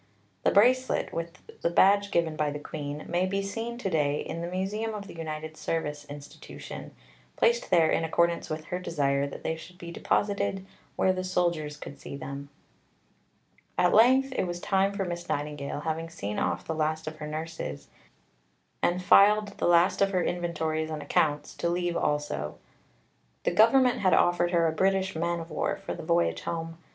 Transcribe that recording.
The bracelet, with the badge given by the Queen, may be seen to day in the Museum of the United Service Institution, placed there in accordance with her desire that they should be deposited "where the soldiers could see them." Panmure, vol. i. p. 278. At length it was time for Miss Nightingale, having seen off the last of her nurses, and filed the last of her inventories and accounts, to leave also. The Government had offered her a British man of war for the voyage home.